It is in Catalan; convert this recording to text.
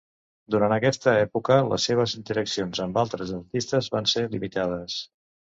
Durant aquesta època, les seves interaccions amb altres artistes van ser limitades.